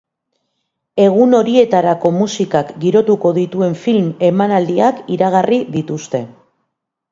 Egun horietarako musikak girotuko dituen film emanaldiak iragarri dituzte.